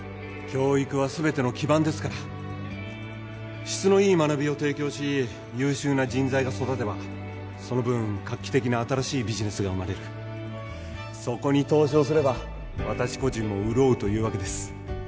教育は全ての基盤ですから質のいい学びを提供し優秀な人材が育てばその分画期的な新しいビジネスが生まれるそこに投資をすれば私個人も潤うというわけです